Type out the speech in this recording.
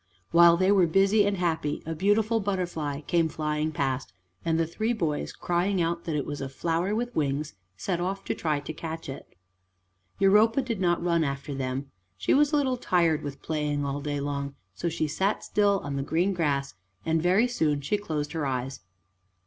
While they were busy and happy, a beautiful butterfly came flying past, and the three boys, crying out that it was a flower with wings, set off to try to catch it. Europa did not run after them. She was a little tired with playing all day long, so she sat still on the green grass and very soon she closed her eyes.